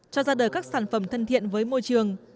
cho ra đời các sản phẩm thân thiện với môi trường